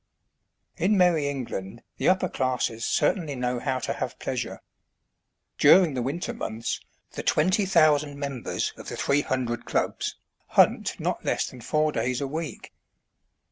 In merry England the upper classes certainly know how to have pleasure. During the winter months, the twenty thousand members of the three hundred clubs hunt not less than four days a week.